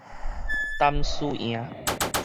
擔輸贏